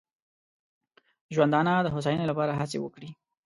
ژوندانه د هوساینې لپاره هڅې وکړي.